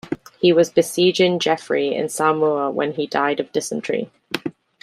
He was besieging Geoffrey in Saumur when he died of dysentery.